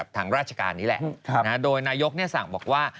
ทางราชการนี้แหละโดยนายกสั่งบอกว่า